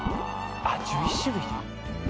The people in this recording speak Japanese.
あっ１１種類だ。